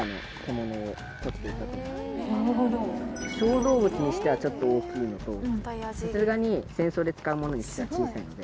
小動物にしてはちょっと大きいのとさすがに戦争で使うものにしては小さいので。